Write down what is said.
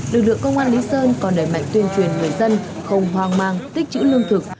lực lượng công an lý sơn còn đẩy mạnh tuyên truyền người dân không hoang mang tích chữ lương thực